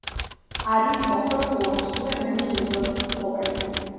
არის ოქროს გლობუსისა და გრემის ჯილდოების მფლობელი.